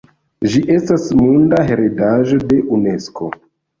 Ĝi estas Monda heredaĵo de Unesko.